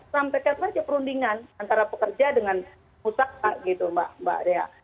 sampai kepercayaan perundingan antara pekerja dengan usaha gitu mbak ria